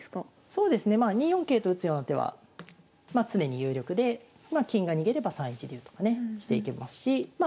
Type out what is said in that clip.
そうですねまあ２四桂と打つような手はまあ常に有力でまあ金が逃げれば３一竜とかねしていけますしま